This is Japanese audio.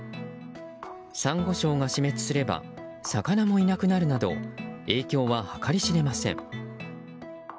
サンゴ礁が死滅すれば魚もいなくなるなど影響は計り知れません。